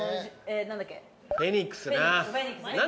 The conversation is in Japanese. フェニックスな。